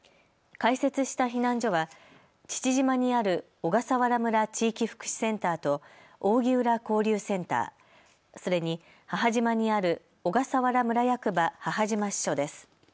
開設した避難所は父島にある小笠原村地域福祉センターと扇浦交流センター、それに母島にある小笠原村役場母島支所です。